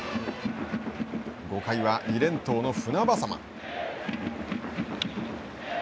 ５回は２連投の船迫。